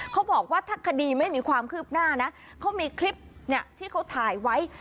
เขาบอกว่าถ้าคดีไม่มีความคืบหน้านะเขามีคลิปที่เขาถ่ายไว้